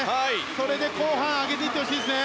それで後半に上げていってほしいですね。